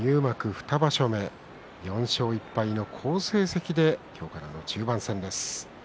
２場所目４勝１敗の好成績で今日からの中盤戦です。